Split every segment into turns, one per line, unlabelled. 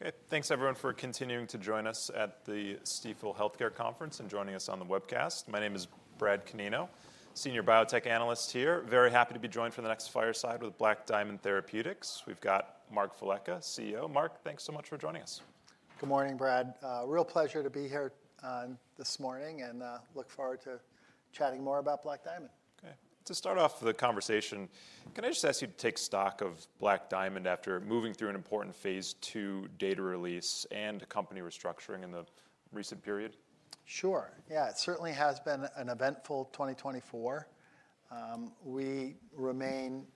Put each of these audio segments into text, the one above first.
Okay, thanks everyone for continuing to join us at the Stifel Healthcare Conference and joining us on the webcast. My name is Brad Canino, Senior Biotech Analyst here. Very happy to be joined for the next fireside with Black Diamond Therapeutics. We've got Mark Velleca, CEO. Mark, thanks so much for joining us.
Good morning, Brad. It's a real pleasure to be here this morning and I look forward to chatting more about Black Diamond.
Okay. To start off the conversation, can I just ask you to take stock of Black Diamond after moving through an important phase 2 data release and company restructuring in the recent period?
Sure. Yeah, it certainly has been an eventful 2024. We remain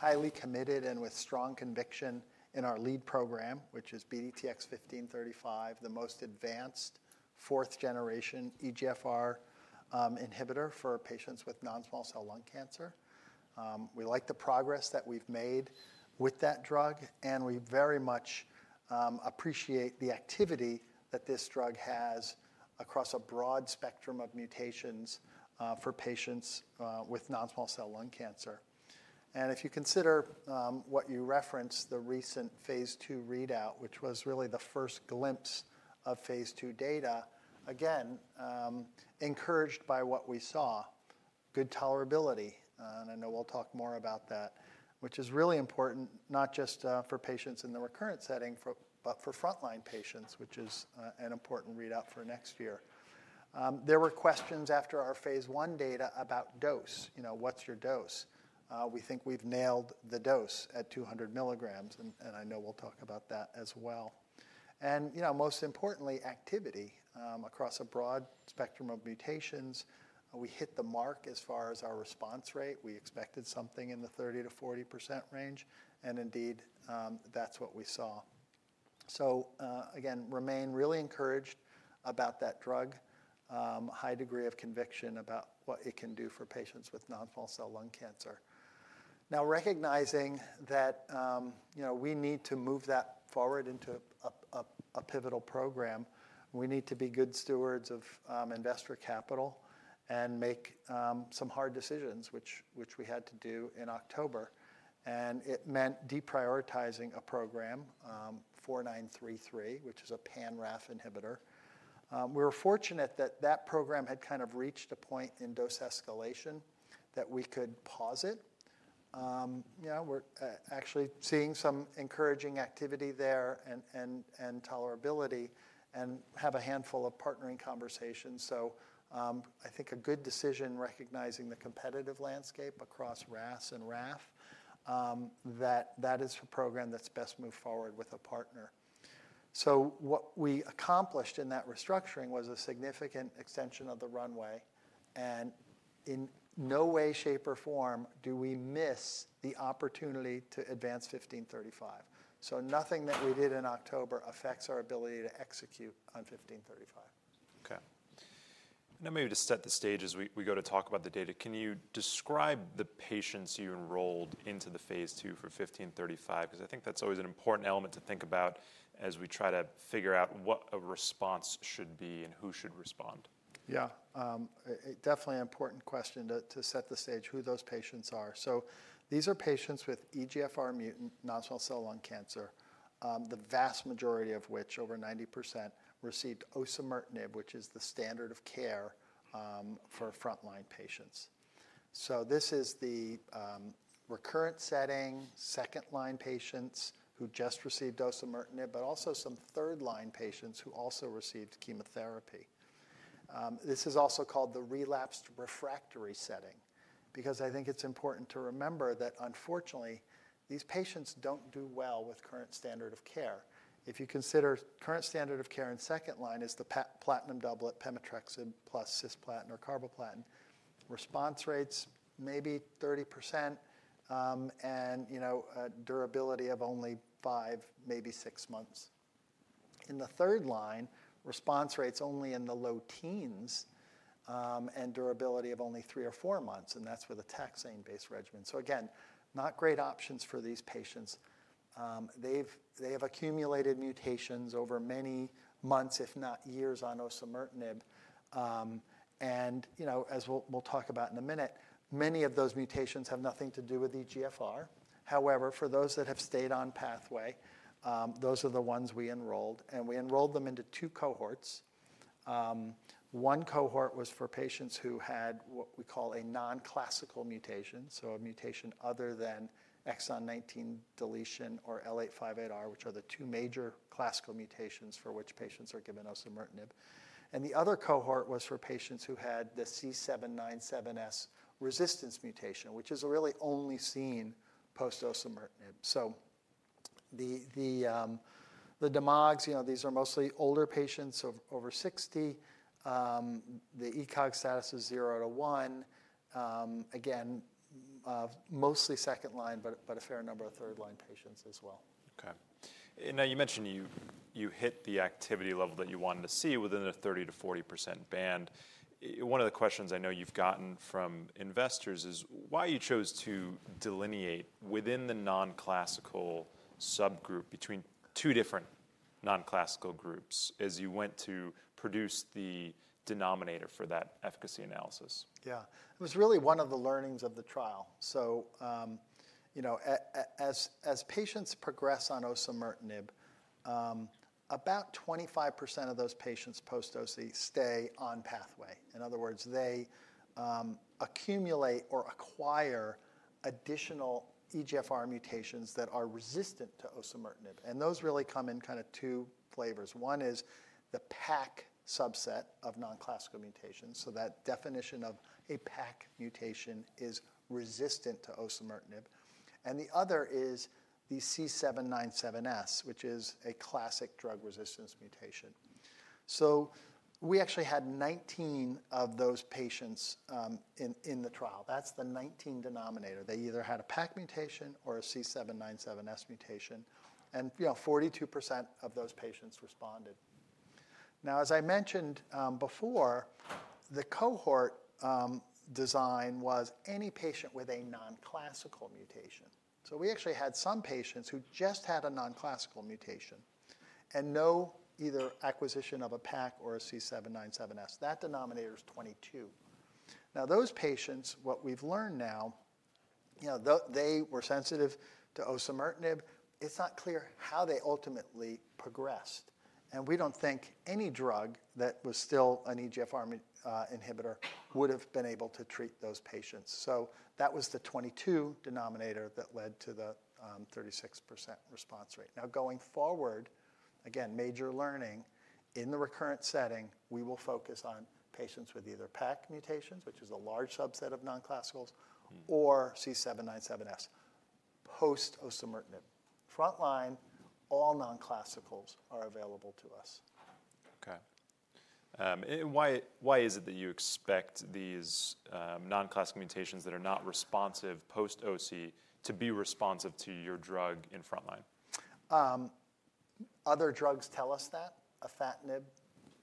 highly committed and with strong conviction in our lead program, which is BDTX-1535, the most advanced fourth generation EGFR inhibitor for patients with non-small cell lung cancer. We like the progress that we've made with that drug, and we very much appreciate the activity that this drug has across a broad spectrum of mutations for patients with non-small cell lung cancer. And if you consider what you referenced, the recent phase two readout, which was really the first glimpse of phase two data, again, encouraged by what we saw, good tolerability, and I know we'll talk more about that, which is really important not just for patients in the recurrent setting, but for frontline patients, which is an important readout for next year. There were questions after our phase one data about dose, you know, what's your dose? We think we've nailed the dose at 200 milligrams, and I know we'll talk about that as well, and most importantly, activity across a broad spectrum of mutations. We hit the mark as far as our response rate. We expected something in the 30%-40% range, and indeed that's what we saw. So again, remain really encouraged about that drug, high degree of conviction about what it can do for patients with non-small cell lung cancer. Now, recognizing that we need to move that forward into a pivotal program, we need to be good stewards of investor capital and make some hard decisions, which we had to do in October, and it meant deprioritizing a program, 4933, which is a pan-RAF inhibitor. We were fortunate that that program had kind of reached a point in dose escalation that we could pause it. We're actually seeing some encouraging activity there and tolerability and have a handful of partnering conversations. I think a good decision recognizing the competitive landscape across RAS and RAF, that that is a program that's best moved forward with a partner. What we accomplished in that restructuring was a significant extension of the runway, and in no way, shape, or form do we miss the opportunity to advance 1535. Nothing that we did in October affects our ability to execute on 1535.
Okay. And then maybe to set the stage as we go to talk about the data, can you describe the patients you enrolled into the phase 2 for 1535? Because I think that's always an important element to think about as we try to figure out what a response should be and who should respond.
Yeah, definitely an important question to set the stage who those patients are. So these are patients with EGFR mutant non-small cell lung cancer, the vast majority of which, over 90%, received osimertinib, which is the standard of care for frontline patients. So this is the recurrent setting, second line patients who just received osimertinib, but also some third line patients who also received chemotherapy. This is also called the relapsed refractory setting because I think it's important to remember that unfortunately these patients don't do well with current standard of care. If you consider current standard of care in second line is the platinum doublet, pemetrexed plus cisplatin or carboplatin, response rates maybe 30% and durability of only five, maybe six months. In the third line, response rates only in the low teens and durability of only three or four months, and that's with a taxane-based regimen. So again, not great options for these patients. They have accumulated mutations over many months, if not years on osimertinib. And as we'll talk about in a minute, many of those mutations have nothing to do with EGFR. However, for those that have stayed on pathway, those are the ones we enrolled, and we enrolled them into two cohorts. One cohort was for patients who had what we call a non-classical mutation, so a mutation other than exon 19 deletion or L858R, which are the two major classical mutations for which patients are given osimertinib. And the other cohort was for patients who had the C797S resistance mutation, which is really only seen post-osimertinib. So the demogs, these are mostly older patients over 60. The ECOG status is zero to one. Again, mostly second line, but a fair number of third line patients as well.
Okay. And now you mentioned you hit the activity level that you wanted to see within the 30%-40% band. One of the questions I know you've gotten from investors is why you chose to delineate within the non-classical subgroup between two different non-classical groups as you went to produce the denominator for that efficacy analysis?
Yeah, it was really one of the learnings of the trial. So as patients progress on osimertinib, about 25% of those patients post-Osi stay on pathway. In other words, they accumulate or acquire additional EGFR mutations that are resistant to osimertinib. And those really come in kind of two flavors. One is the PACC subset of non-classical mutations. So that definition of a PACC mutation is resistant to osimertinib. And the other is the C797S, which is a classic drug resistance mutation. So we actually had 19 of those patients in the trial. That's the 19 denominator. They either had a PACC mutation or a C797S mutation, and 42% of those patients responded. Now, as I mentioned before, the cohort design was any patient with a non-classical mutation. So we actually had some patients who just had a non-classical mutation and no either acquisition of a PACC or a C797S. That denominator is 22. Now, those patients, what we've learned now, they were sensitive to osimertinib. It's not clear how they ultimately progressed, and we don't think any drug that was still an EGFR inhibitor would have been able to treat those patients. So that was the 22 denominator that led to the 36% response rate. Now, going forward, again, major learning in the recurrent setting, we will focus on patients with either PACC mutations, which is a large subset of non-classicals, or C797S post-osimertinib. Frontline, all non-classicals are available to us.
Okay. And why is it that you expect these non-classical mutations that are not responsive post-Osi to be responsive to your drug in frontline?
Other drugs tell us that afatinib,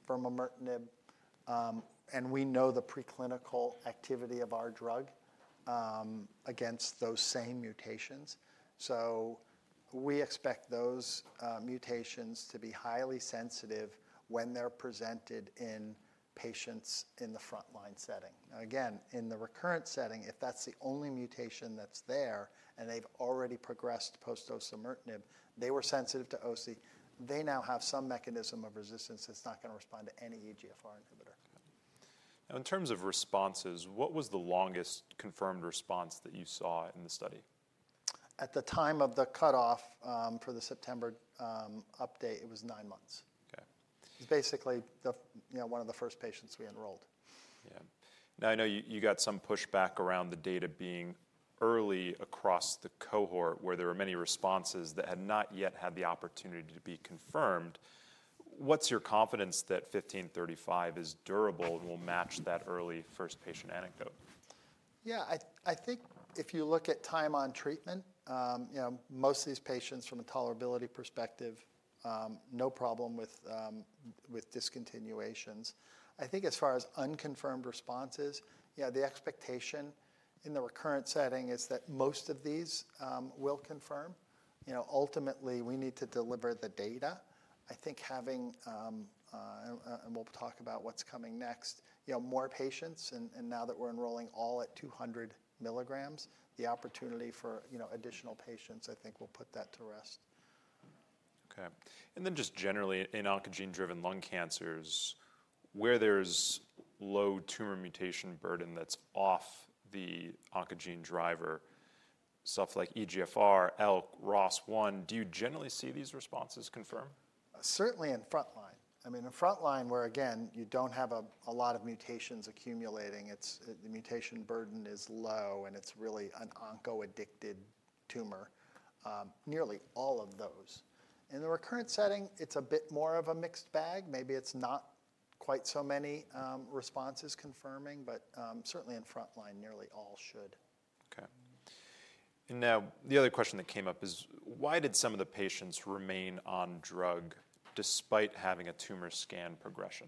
furmonertinib, and we know the preclinical activity of our drug against those same mutations. So we expect those mutations to be highly sensitive when they're presented in patients in the frontline setting. Now, again, in the recurrent setting, if that's the only mutation that's there and they've already progressed post-osimertinib, they were sensitive to Osi, they now have some mechanism of resistance that's not going to respond to any EGFR inhibitor.
Now, in terms of responses, what was the longest confirmed response that you saw in the study?
At the time of the cutoff for the September update, it was nine months. It was basically one of the first patients we enrolled.
Yeah. Now, I know you got some pushback around the data being early across the cohort where there were many responses that had not yet had the opportunity to be confirmed. What's your confidence that 1535 is durable and will match that early first patient anecdote?
Yeah, I think if you look at time on treatment, most of these patients from a tolerability perspective, no problem with discontinuations. I think as far as unconfirmed responses, the expectation in the recurrent setting is that most of these will confirm. Ultimately, we need to deliver the data. I think having, and we'll talk about what's coming next, more patients, and now that we're enrolling all at 200 milligrams, the opportunity for additional patients, I think we'll put that to rest.
Okay. And then just generally in oncogene-driven lung cancers, where there's low tumor mutation burden that's off the oncogene driver, stuff like EGFR, ALK, ROS1, do you generally see these responses confirm?
Certainly in frontline. I mean, in frontline where, again, you don't have a lot of mutations accumulating, the mutation burden is low and it's really an onco-addicted tumor, nearly all of those. In the recurrent setting, it's a bit more of a mixed bag. Maybe it's not quite so many responses confirming, but certainly in frontline, nearly all should.
Okay, and now the other question that came up is, why did some of the patients remain on drug despite having a tumor scan progression?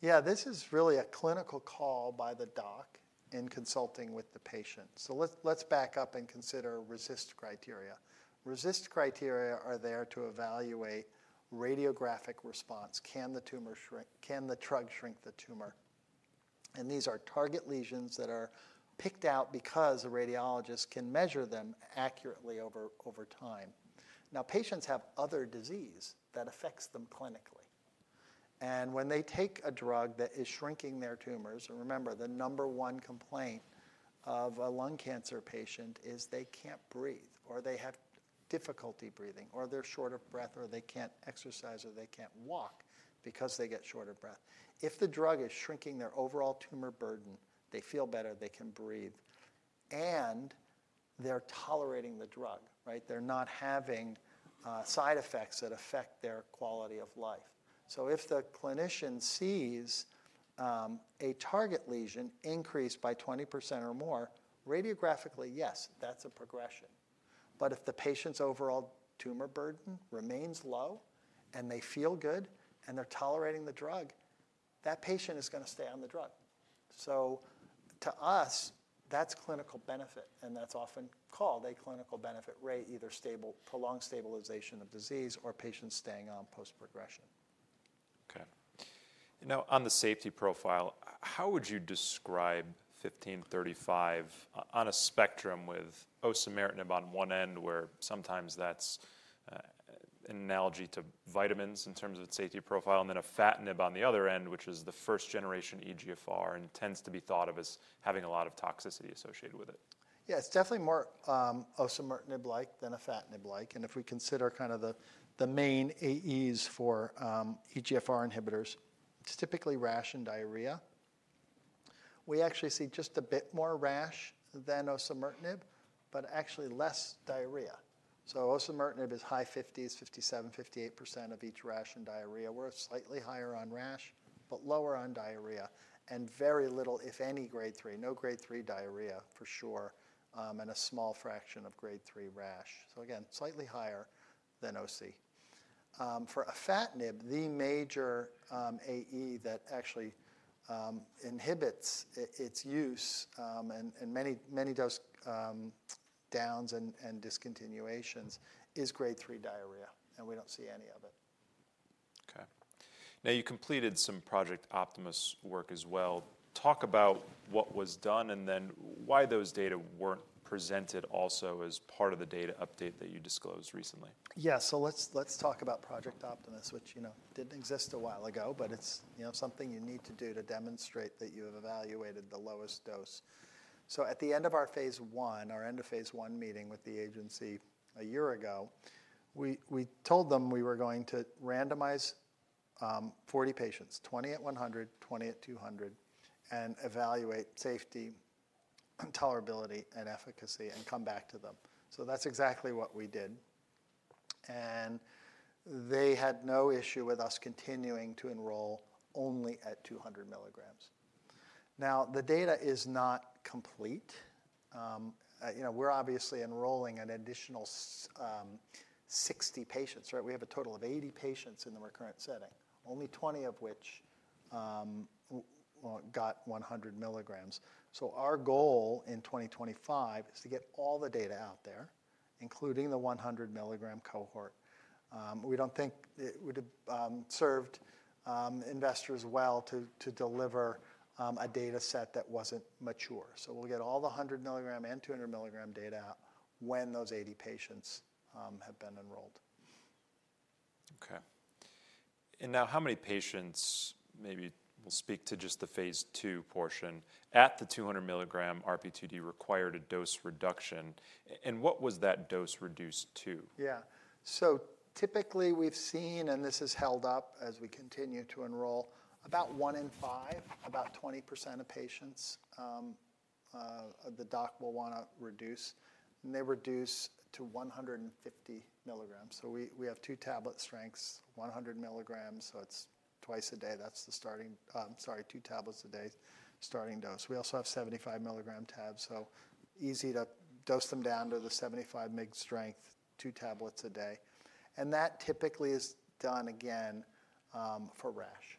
Yeah, this is really a clinical call by the doc in consulting with the patient. So let's back up and consider RECIST criteria. RECIST criteria are there to evaluate radiographic response. Can the drug shrink the tumor? And these are target lesions that are picked out because a radiologist can measure them accurately over time. Now, patients have other disease that affects them clinically. And when they take a drug that is shrinking their tumors, and remember the number one complaint of a lung cancer patient is they can't breathe or they have difficulty breathing or they're short of breath or they can't exercise or they can't walk because they get short of breath. If the drug is shrinking their overall tumor burden, they feel better, they can breathe, and they're tolerating the drug, right? They're not having side effects that affect their quality of life. So if the clinician sees a target lesion increase by 20% or more, radiographically, yes, that's a progression. But if the patient's overall tumor burden remains low and they feel good and they're tolerating the drug, that patient is going to stay on the drug. So to us, that's clinical benefit, and that's often called a clinical benefit rate, either prolonged stabilization of disease or patients staying on post-progression.
Okay. Now, on the safety profile, how would you describe 1535 on a spectrum with osimertinib on one end, where sometimes that's an analogy to vitamins in terms of its safety profile, and then afatinib on the other end, which is the first generation EGFR and tends to be thought of as having a lot of toxicity associated with it?
Yeah, it's definitely more osimertinib-like than afatinib-like. And if we consider kind of the main AEs for EGFR inhibitors, it's typically rash and diarrhea. We actually see just a bit more rash than osimertinib, but actually less diarrhea. So osimertinib is high 50s, 57%, 58% of each rash and diarrhea. We're slightly higher on rash, but lower on diarrhea and very little, if any, grade three, no grade three diarrhea for sure, and a small fraction of grade three rash. So again, slightly higher than Osi. For afatinib, the major AE that actually inhibits its use and many dose downs and discontinuations is grade three diarrhea, and we don't see any of it.
Okay. Now, you completed some Project Optimus work as well. Talk about what was done and then why those data weren't presented also as part of the data update that you disclosed recently.
Yeah, so let's talk about Project Optimus, which didn't exist a while ago, but it's something you need to do to demonstrate that you have evaluated the lowest dose. At the end of our phase 1, our end of phase 1 meeting with the agency a year ago, we told them we were going to randomize 40 patients, 20 at 100, 20 at 200, and evaluate safety and tolerability and efficacy and come back to them. That's exactly what we did. They had no issue with us continuing to enroll only at 200 milligrams. Now, the data is not complete. We're obviously enrolling an additional 60 patients, right? We have a total of 80 patients in the recurrent setting, only 20 of which got 100 milligrams. Our goal in 2025 is to get all the data out there, including the 100 milligram cohort. We don't think it would have served investors well to deliver a data set that wasn't mature. So we'll get all the 100 milligram and 200 milligram data out when those 80 patients have been enrolled.
Okay. And now, how many patients, maybe we'll speak to just the phase 2 portion, at the 200 milligram RP2D required a dose reduction, and what was that dose reduced to?
Yeah. So typically we've seen, and this has held up as we continue to enroll, about one in five, about 20% of patients, the doc will want to reduce. And they reduce to 150 milligrams. So we have two tablet strengths, 100 milligrams, so it's twice a day. That's the starting, sorry, two tablets a day starting dose. We also have 75 milligram tabs, so easy to dose them down to the 75 mg strength, two tablets a day. And that typically is done again for rash.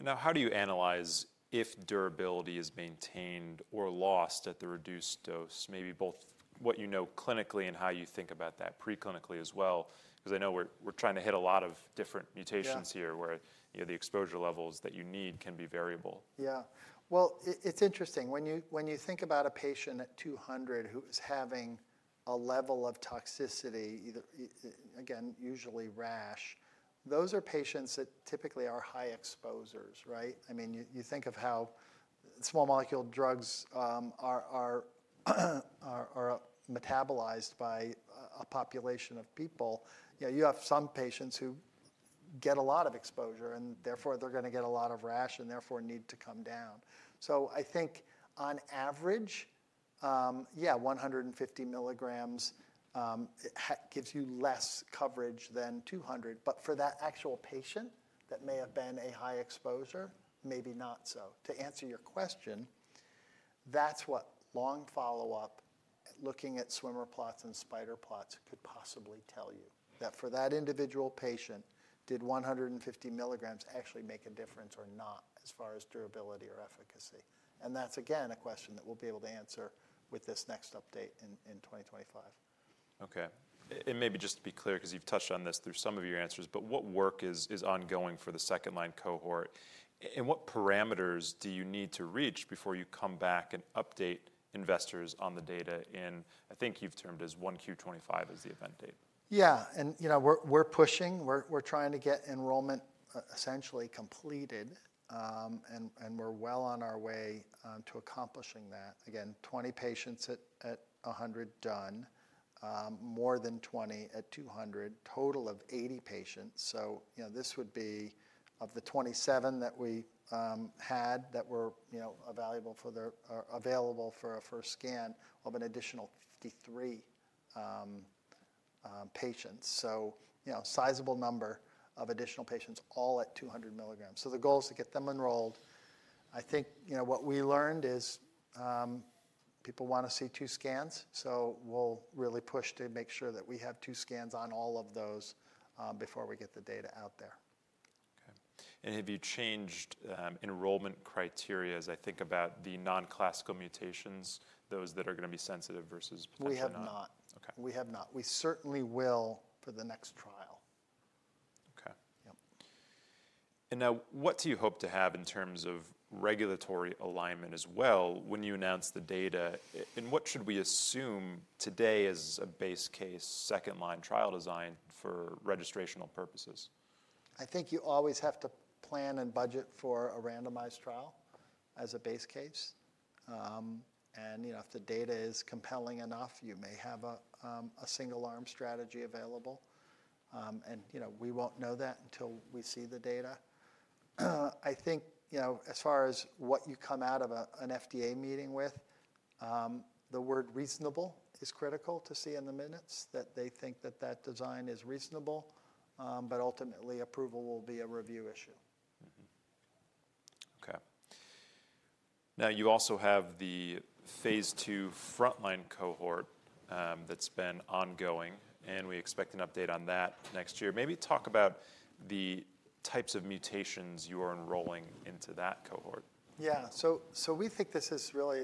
Now how do you analyze if durability is maintained or lost at the reduced dose, maybe both what you know clinically and how you think about that preclinically as well? Because I know we're trying to hit a lot of different mutations here where the exposure levels that you need can be variable.
Yeah. Well, it's interesting. When you think about a patient at 200 who is having a level of toxicity, again, usually rash, those are patients that typically are high exposers, right? I mean, you think of how small molecule drugs are metabolized by a population of people. You have some patients who get a lot of exposure and therefore they're going to get a lot of rash and therefore need to come down. So I think on average, yeah, 150 milligrams gives you less coverage than 200. But for that actual patient that may have been a high exposure, maybe not so. To answer your question, that's what long follow-up looking at swimmer plots and spider plots could possibly tell you, that for that individual patient, did 150 milligrams actually make a difference or not as far as durability or efficacy? That's again a question that we'll be able to answer with this next update in 2025.
Okay. And maybe just to be clear, because you've touched on this through some of your answers, but what work is ongoing for the second line cohort? And what parameters do you need to reach before you come back and update investors on the data in, I think you've termed as 1Q25 as the event date?
Yeah. And we're pushing, we're trying to get enrollment essentially completed, and we're well on our way to accomplishing that. Again, 20 patients at 100 done, more than 20 at 200, total of 80 patients. So this would be of the 27 that we had that were available for a first scan of an additional 53 patients. So sizable number of additional patients all at 200 milligrams. So the goal is to get them enrolled. I think what we learned is people want to see two scans, so we'll really push to make sure that we have two scans on all of those before we get the data out there.
Okay, and have you changed enrollment criteria as I think about the non-classical mutations, those that are going to be sensitive versus?
We have not. We have not. We certainly will for the next trial.
Okay. And now what do you hope to have in terms of regulatory alignment as well when you announce the data? And what should we assume today as a base case second line trial design for registrational purposes?
I think you always have to plan and budget for a randomized trial as a base case. And if the data is compelling enough, you may have a single arm strategy available. And we won't know that until we see the data. I think as far as what you come out of an FDA meeting with, the word reasonable is critical to see in the minutes that they think that that design is reasonable, but ultimately approval will be a review issue.
Okay. Now you also have the phase 2 frontline cohort that's been ongoing, and we expect an update on that next year. Maybe talk about the types of mutations you are enrolling into that cohort.
Yeah. So we think this is really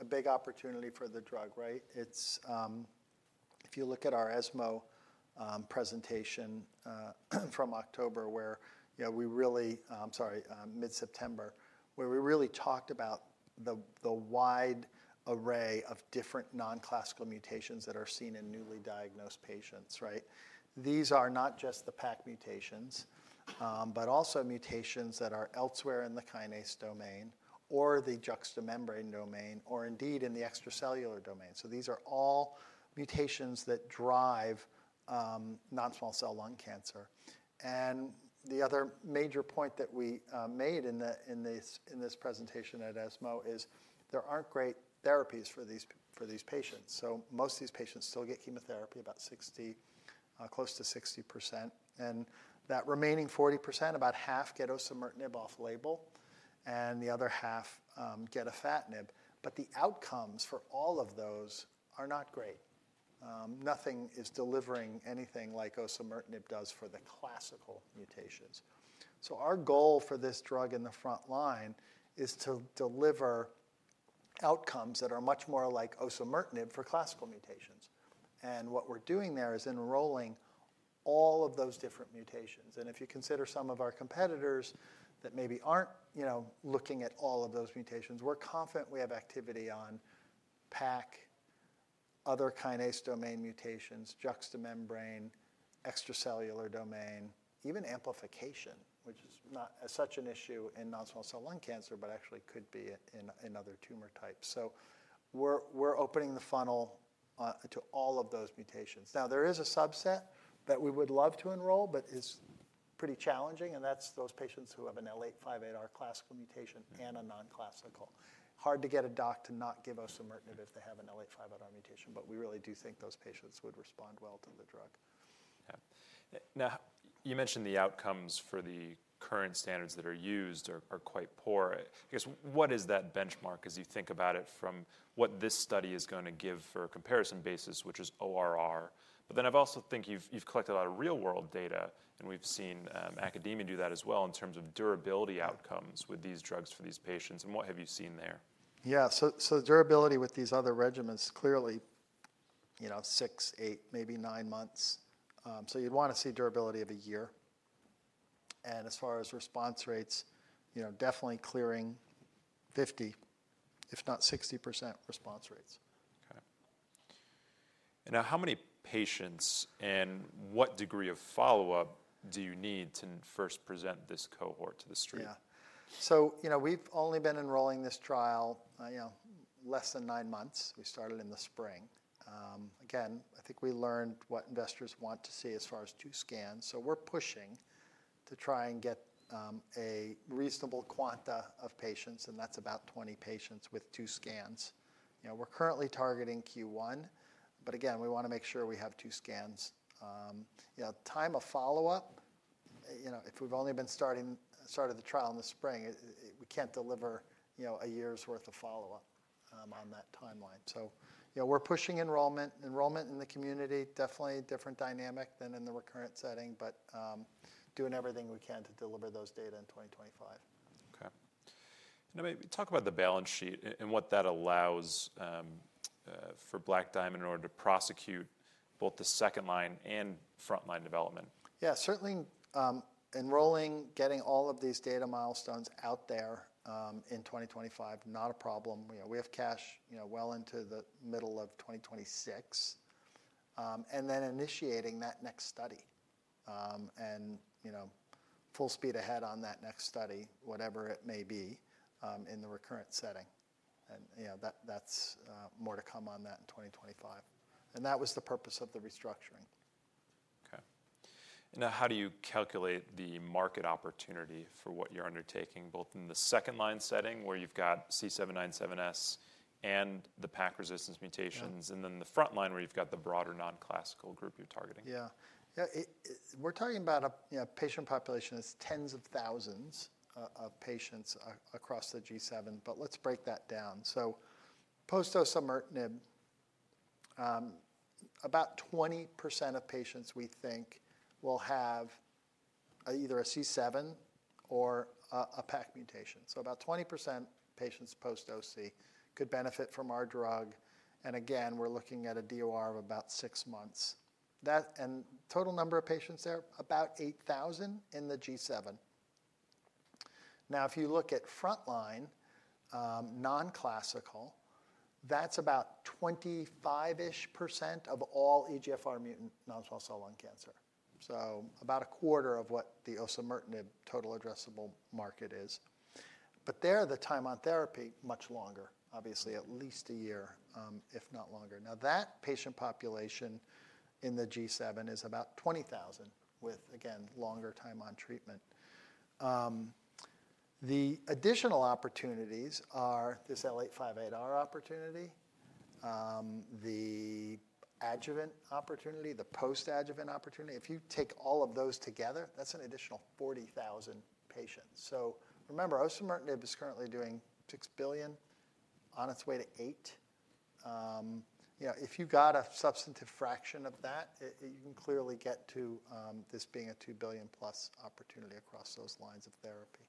a big opportunity for the drug, right? If you look at our ESMO presentation from October where we really, I'm sorry, mid-September, where we really talked about the wide array of different non-classical mutations that are seen in newly diagnosed patients, right? These are not just the PACC mutations, but also mutations that are elsewhere in the kinase domain or the juxtamembrane domain or indeed in the extracellular domain. So these are all mutations that drive non-small cell lung cancer. And the other major point that we made in this presentation at ESMO is there aren't great therapies for these patients. So most of these patients still get chemotherapy, about 60%, close to 60%. And that remaining 40%, about half get osimertinib off label and the other half get afatinib. But the outcomes for all of those are not great. Nothing is delivering anything like osimertinib does for the classical mutations. Our goal for this drug in the front line is to deliver outcomes that are much more like osimertinib for classical mutations. What we're doing there is enrolling all of those different mutations. If you consider some of our competitors that maybe aren't looking at all of those mutations, we're confident we have activity on PAC, Other kinase domain mutations, juxtamembrane, extracellular domain, even amplification, which is not such an issue in non-small cell lung cancer, but actually could be in other tumor types. We're opening the funnel to all of those mutations. There is a subset that we would love to enroll, but it's pretty challenging, and that's those patients who have an L858R classical mutation and a non-classical. Hard to get a doc to not give osimertinib if they have an L858R mutation, but we really do think those patients would respond well to the drug.
Yeah. Now, you mentioned the outcomes for the current standards that are used are quite poor. I guess what is that benchmark as you think about it from what this study is going to give for a comparison basis, which is ORR? But then I also think you've collected a lot of real-world data, and we've seen academia do that as well in terms of durability outcomes with these drugs for these patients. And what have you seen there?
Yeah. So durability with these other regimens clearly six, eight, maybe nine months. So you'd want to see durability of a year. And as far as response rates, definitely clearing 50, if not 60% response rates.
Okay, and now how many patients and what degree of follow-up do you need to first present this cohort to the street?
Yeah. So we've only been enrolling this trial less than nine months. We started in the spring. Again, I think we learned what investors want to see as far as two scans. So we're pushing to try and get a reasonable quanta of patients, and that's about 20 patients with two scans. We're currently targeting Q1, but again, we want to make sure we have two scans. Time of follow-up, if we've only been starting the trial in the spring, we can't deliver a year's worth of follow-up on that timeline. So we're pushing enrollment, enrollment in the community, definitely different dynamic than in the recurrent setting, but doing everything we can to deliver those data in 2025.
Okay, and maybe talk about the balance sheet and what that allows for Black Diamond in order to prosecute both the second line and frontline development.
Yeah. Certainly enrolling, getting all of these data milestones out there in 2025, not a problem. We have cash well into the middle of 2026. And then initiating that next study and full speed ahead on that next study, whatever it may be in the recurrent setting. And that's more to come on that in 2025. And that was the purpose of the restructuring.
Okay. And now how do you calculate the market opportunity for what you're undertaking, both in the second-line setting where you've got C797S and the PAC resistance mutations, and then the first-line where you've got the broader non-classical group you're targeting?
Yeah. Yeah. We're talking about a patient population that's tens of thousands of patients across the G7, but let's break that down. So post-osimertinib, about 20% of patients we think will have either a C797S or a PAC mutation. So about 20% patients post-OC could benefit from our drug. And again, we're looking at a DOR of about six months. And total number of patients there, about 8,000 in the G7. Now, if you look at frontline, non-classical, that's about 25-ish% of all EGFR mutant non-small cell lung cancer. So about a quarter of what the osimertinib total addressable market is. But there, the time on therapy is much longer, obviously at least a year, if not longer. Now, that patient population in the G7 is about 20,000 with, again, longer time on treatment. The additional opportunities are this L858R opportunity, the adjuvant opportunity, the post-adjuvant opportunity. If you take all of those together, that's an additional 40,000 patients. So remember, osimertinib is currently doing $6 billion, on its way to $8 billion. If you got a substantive fraction of that, you can clearly get to this being a $2 billion plus opportunity across those lines of therapy.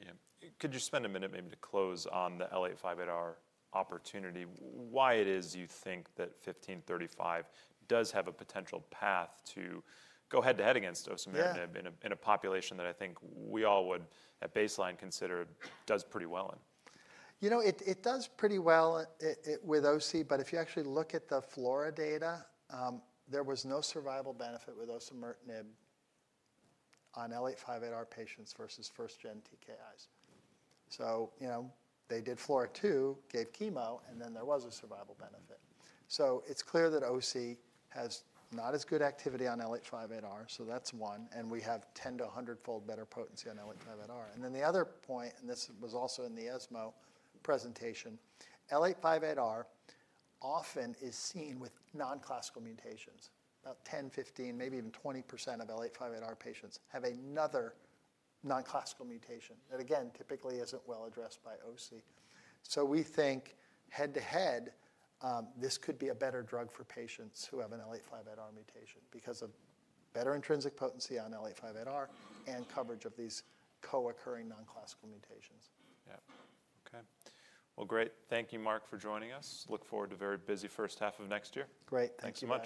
Yeah. Could you spend a minute maybe to close on the L858R opportunity? Why it is you think that 1535 does have a potential path to go head to head against osimertinib in a population that I think we all would at baseline consider does pretty well in?
You know, it does pretty well with OC, but if you actually look at the FLAURA data, there was no survival benefit with osimertinib on L858R patients versus first-gen TKIs. So they did FLAURA2, gave chemo, and then there was a survival benefit. So it's clear that OC has not as good activity on L858R, so that's one. And we have 10- to 100-fold better potency on L858R. And then the other point, and this was also in the ESMO presentation, L858R often is seen with non-classical mutations. About 10, 15, maybe even 20% of L858R patients have another non-classical mutation that, again, typically isn't well addressed by OC. So we think head to head, this could be a better drug for patients who have an L858R mutation because of better intrinsic potency on L858R and coverage of these co-occurring non-classical mutations.
Great. Thank you, Mark, for joining us. Look forward to a very busy first half of next year.
Great. Thanks so much.